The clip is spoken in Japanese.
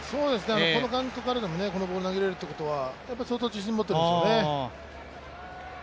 このカウントからでも、このボールを投げられるということは相当自信を持っているんでしょうね。